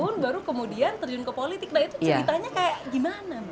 nah itu ceritanya kayak gimana mbak